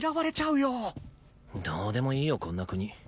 どうでもいいよこんな国。